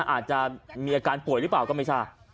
อาจจะมีอาการป่วยหรือเปล่าก็ไม่ทราบ